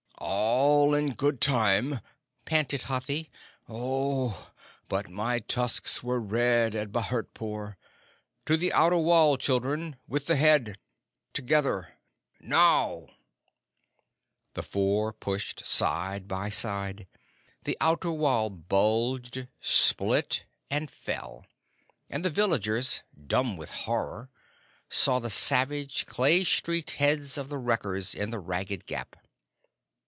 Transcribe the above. "All in good time," panted Hathi. "Oh, but my tusks were red at Bhurtpore! To the outer wall, children! With the head! Together! Now!" The four pushed side by side; the outer wall bulged, split, and fell, and the villagers, dumb with horror, saw the savage, clay streaked heads of the wreckers in the ragged gap.